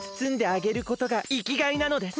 あげることがいきがいなのです。